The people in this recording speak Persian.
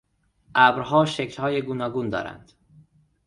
ابرها شکلهای گوناگون دارند.